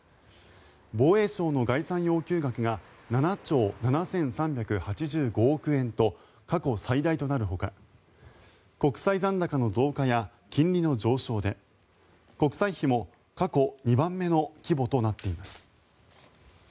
防衛省の概算要求額が７兆７３８５億円と過去最大となるほか国債残高の増加や金利の上昇で国債費も過去２番目の規模となっています。